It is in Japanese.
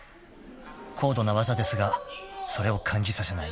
［高度な技ですがそれを感じさせない